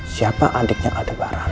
siapa adiknya ada barang